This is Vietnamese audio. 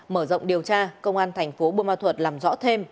mở rộng điều tra công an tp buôn ma thuật làm rõ thêm